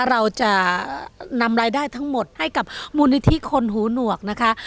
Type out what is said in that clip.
เราจะนำรายได้ทั้งหมดให้กับมูลนิธิคนหูหนวกนะคะ